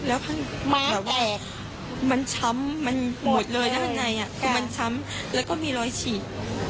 แล้วข้างแบบว่ามันช้ำมันหมดเลยด้านในคือมันช้ำแล้วก็มีรอยฉีก